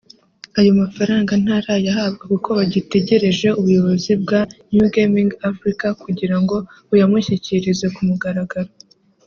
Ayo mafaranga ntarayahabwa kuko bagitegereje ubuyobozi bwa New Gaming Africa kugira ngo buyamushyikirize ku mugaragaro